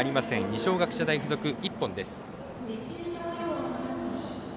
二松学舎大付属は１本です。